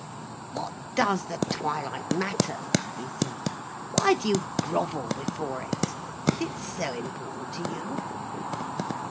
"What does the twilight matter?" he said. "Why do you grovel before it? Is it so important to you?"